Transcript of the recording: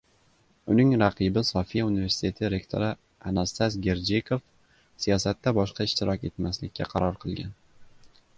Uning raqibi Sofiya universiteti rektori Anastas Gerjikov siyosatda boshqa ishtirok etmaslikka qaror qilgan